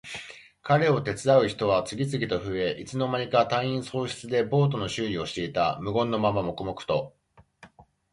彼を手伝う人は次々と増え、いつの間にか隊員総出でボートの修理をしていた。無言のまま黙々と。